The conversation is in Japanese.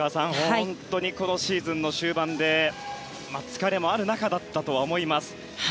本当にこのシーズンの終盤で疲れもある中だったとは思います。